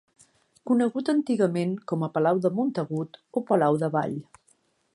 Conegut antigament com a Palau de Montagut o Palau d'Avall.